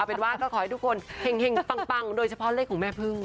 เป็นว่าก็ขอให้ทุกคนเห็งปังโดยเฉพาะเลขของแม่พึ่ง